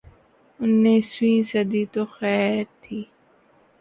انیسویں صدی تو خیر تھی۔